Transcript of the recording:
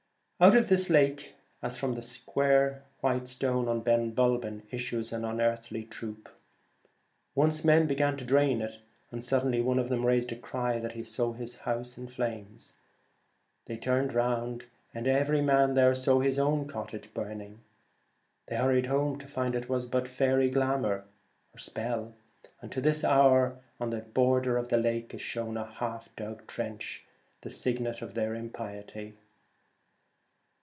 Out of this lake, as from the white square stone in Ben Bulben, issues an unearthly troop. Once men began to drain it ; suddenly one of them raised a cry that he saw his house in flames. They turned round, and every man there saw his own cottage burning. They hurried home to find it was but faery glamour. To this hour on the border of the lake is shown a half dug trench — the signet of their impiety.